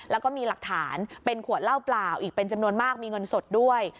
แล้วก็มีหลักฐานเป็นขวดเหล้าเปล่าอีกเป็นจำนวนมากมีเงินสดด้วย